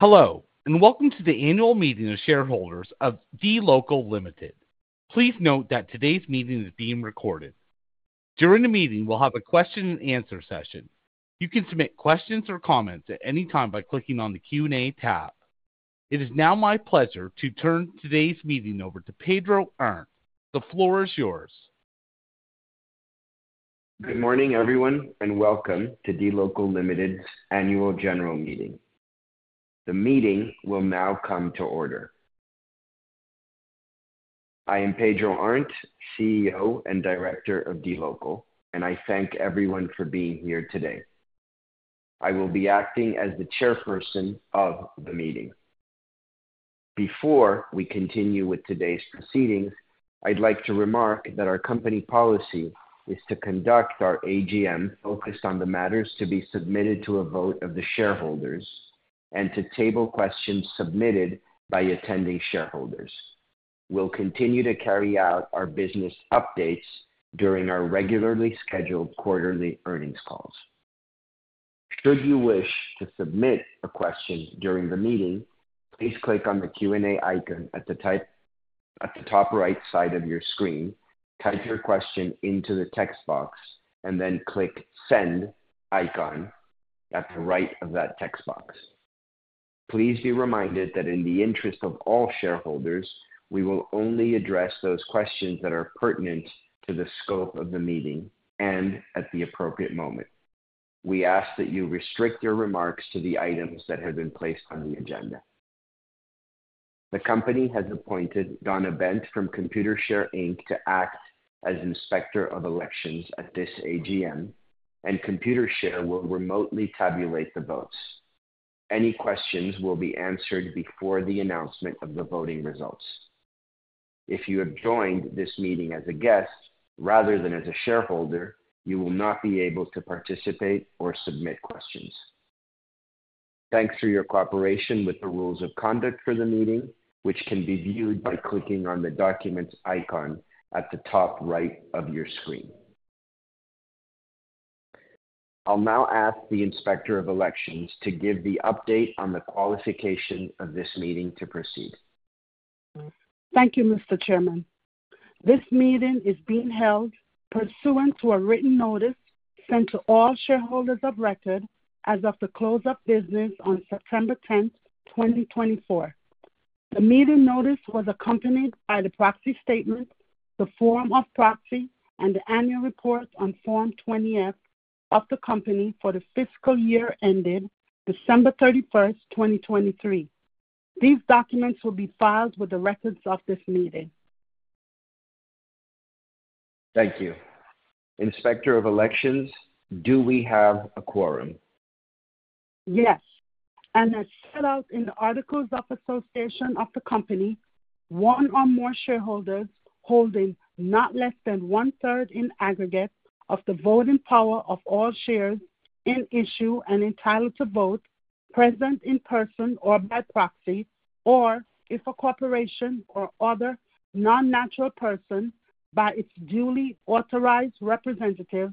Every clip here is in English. Hello, and welcome to the annual meeting of shareholders of DLocal Limited. Please note that today's meeting is being recorded. During the meeting, we'll have a question and answer session. You can submit questions or comments at any time by clicking on the Q&A tab. It is now my pleasure to turn today's meeting over to Pedro Arnt. The floor is yours. Good morning, everyone, and welcome to DLocal Limited's Annual General Meeting. The meeting will now come to order. I am Pedro Arnt, CEO and Director of DLocal, and I thank everyone for being here today. I will be acting as the chairperson of the meeting. Before we continue with today's proceedings, I'd like to remark that our company policy is to conduct our AGM focused on the matters to be submitted to a vote of the shareholders and to table questions submitted by attending shareholders. We'll continue to carry out our business updates during our regularly scheduled quarterly earnings calls. Should you wish to submit a question during the meeting, please click on the Q&A icon at the top right side of your screen, type your question into the text box, and then click Send icon at the right of that text box. Please be reminded that in the interest of all shareholders, we will only address those questions that are pertinent to the scope of the meeting and at the appropriate moment. We ask that you restrict your remarks to the items that have been placed on the agenda. The company has appointed Donna Bent from Computershare, Inc to act as Inspector of Elections at this AGM, and Computershare will remotely tabulate the votes. Any questions will be answered before the announcement of the voting results. If you have joined this meeting as a guest rather than as a shareholder, you will not be able to participate or submit questions. Thanks for your cooperation with the rules of conduct for the meeting, which can be viewed by clicking on the documents icon at the top right of your screen. I'll now ask the Inspector of Elections to give the update on the qualification of this meeting to proceed. Thank you, Mr. Chairman. This meeting is being held pursuant to a written notice sent to all shareholders of record as of the close of business on September tenth, 2024. The meeting notice was accompanied by the proxy statement, the form of proxy, and the annual report on Form 20-F of the company for the fiscal year ending December 31st, 2023. These documents will be filed with the records of this meeting. Thank you. Inspector of Elections, do we have a quorum? Yes, and as set out in the Articles of Association of the company, one or more shareholders holding not less than one-third in aggregate of the voting power of all shares in issue and entitled to vote, present in person or by proxy, or if a corporation or other non-natural person, by its duly authorized representative,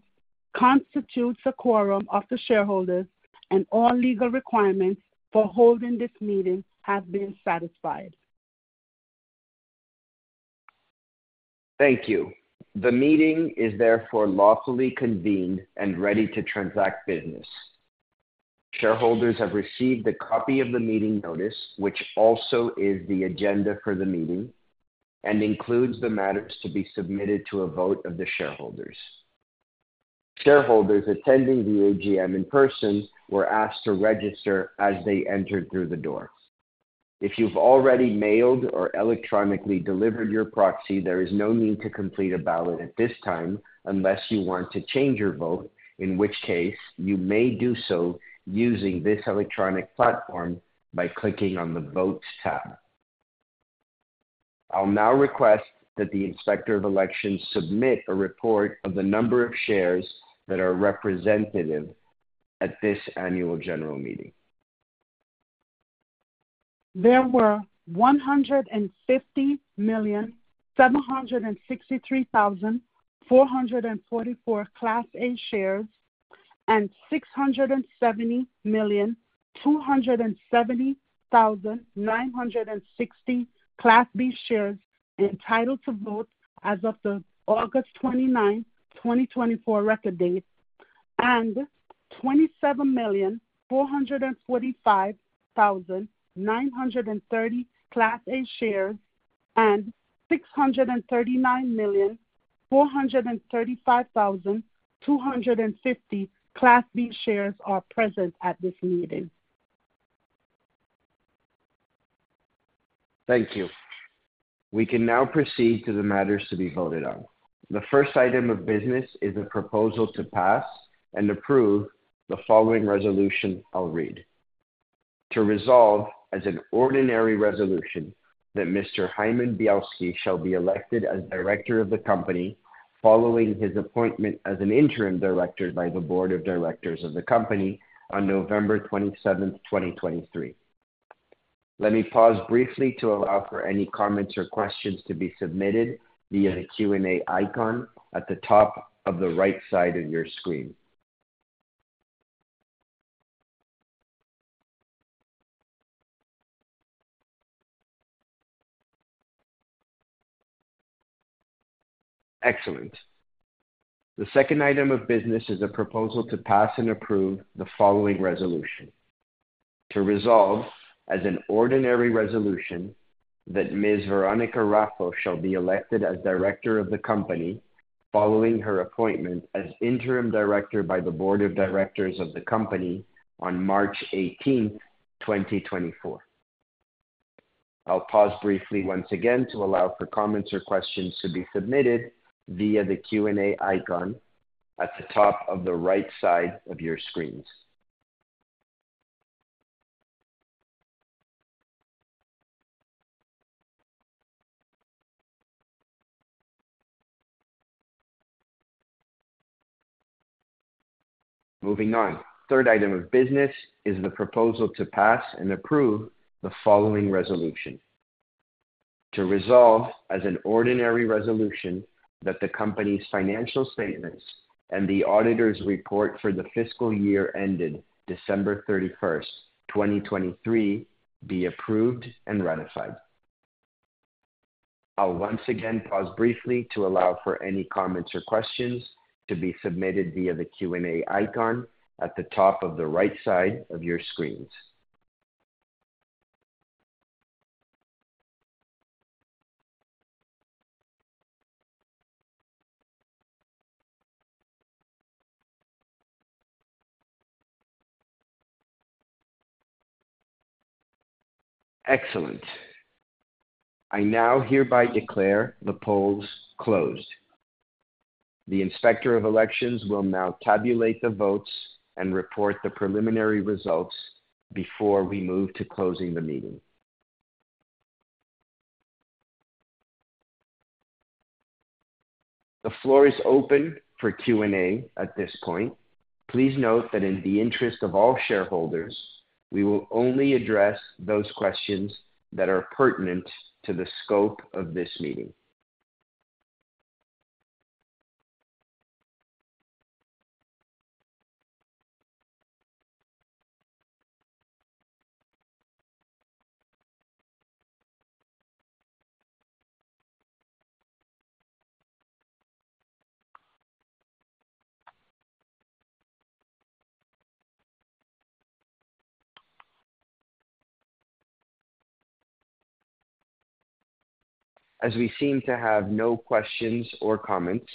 constitutes a quorum of the shareholders and all legal requirements for holding this meeting have been satisfied. Thank you. The meeting is therefore lawfully convened and ready to transact business. Shareholders have received a copy of the meeting notice, which also is the agenda for the meeting, and includes the matters to be submitted to a vote of the shareholders. Shareholders attending the AGM in person were asked to register as they entered through the door. If you've already mailed or electronically delivered your proxy, there is no need to complete a ballot at this time unless you want to change your vote, in which case you may do so using this electronic platform by clicking on the Votes tab. I'll now request that the Inspector of Elections submit a report of the number of shares that are representative at this annual general meeting. There were 150,763,444 Class A shares and 670,270,960 Class B shares entitled to vote as of the August 29th, 2024 record date, and 27,445,930 Class A shares and 639,435,250 Class B shares are present at this meeting. Thank you. We can now proceed to the matters to be voted on. The first item of business is a proposal to pass and approve the following resolution I'll read: To resolve as an ordinary resolution that Mr. Hyman Bielsky shall be elected as Director of the Company, following his appointment as an interim director by the Board of Directors of the Company on November 27th, 2023. Let me pause briefly to allow for any comments or questions to be submitted via the Q&A icon at the top of the right side of your screen. Excellent. The second item of business is a proposal to pass and approve the following resolution: To resolve as an ordinary resolution that Ms. Veronica Raffo shall be elected as Director of the Company following her appointment as interim director by the Board of Directors of the Company on March 18th, 2024. I'll pause briefly once again to allow for comments or questions to be submitted via the Q&A icon at the top of the right side of your screens. Moving on. Third item of business is the proposal to pass and approve the following resolution: To resolve as an ordinary resolution that the company's financial statements and the auditor's report for the fiscal year ended December 31st, 2023, be approved and ratified. I'll once again pause briefly to allow for any comments or questions to be submitted via the Q&A icon at the top of the right side of your screens. Excellent. I now hereby declare the polls closed. The Inspector of Elections will now tabulate the votes and report the preliminary results before we move to closing the meeting. The floor is open for Q&A at this point. Please note that in the interest of all shareholders, we will only address those questions that are pertinent to the scope of this meeting. As we seem to have no questions or comments,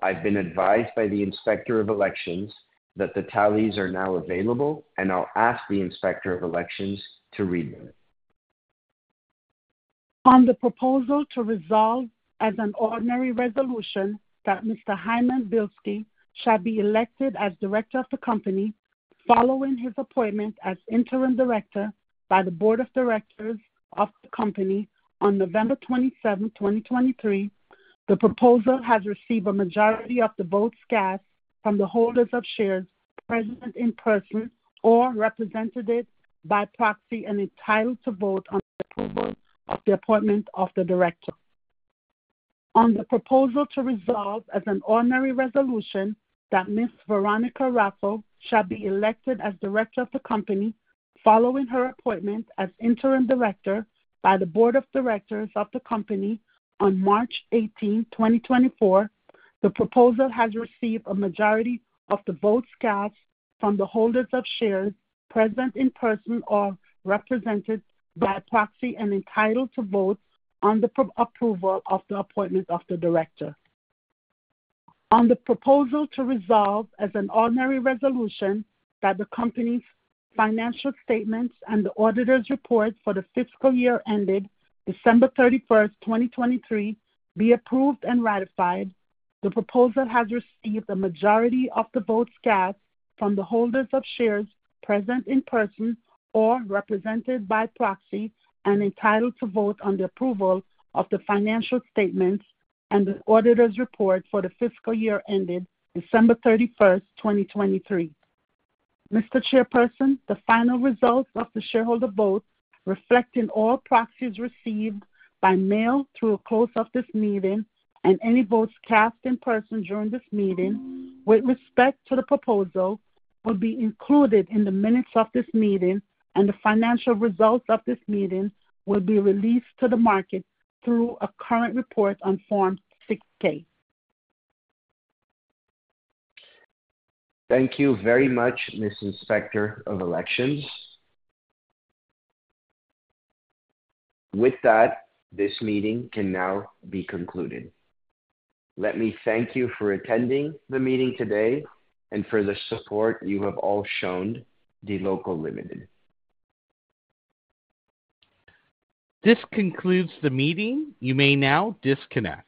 I've been advised by the Inspector of Elections that the tallies are now available, and I'll ask the Inspector of Elections to read them. On the proposal to resolve as an ordinary resolution that Mr. Hyman Bielsky shall be elected as director of the company, following his appointment as interim director by the board of directors of the company on November 27th, 2023, the proposal has received a majority of the votes cast from the holders of shares present in person or represented by proxy and entitled to vote on the approval of the appointment of the director. On the proposal to resolve as an ordinary resolution that Ms. Veronica Raffo shall be elected as director of the company following her appointment as interim director by the board of directors of the company on March 18th, 2024. The proposal has received a majority of the votes cast from the holders of shares present in person or represented by proxy, and entitled to vote on the approval of the appointment of the director. On the proposal to resolve as an ordinary resolution that the company's financial statements and the auditor's report for the fiscal year ended December 31st, 2023, be approved and ratified, the proposal has received a majority of the votes cast from the holders of shares present in person or represented by proxy, and entitled to vote on the approval of the financial statements and the auditor's report for the fiscal year ended December 31st, 2023. Mr. Chairperson, the final results of the shareholder vote, reflecting all proxies received by mail through a close of this meeting and any votes cast in person during this meeting with respect to the proposal, will be included in the minutes of this meeting, and the financial results of this meeting will be released to the market through a current report on Form 6-K. Thank you very much, Ms. Inspector of Elections. With that, this meeting can now be concluded. Let me thank you for attending the meeting today and for the support you have all shown DLocal Limited. This concludes the meeting. You may now disconnect.